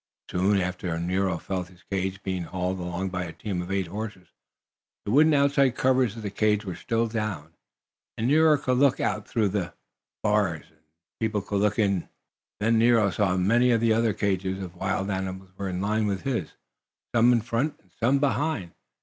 Soon after this Nero felt his cage being hauled along by a team of eight horses. The wooden outside covers of the cage were still down, and Nero could look out through the bars, and the people could look in. Then Nero saw that many of the other cages of wild animals were in line with his, some in front and some behind.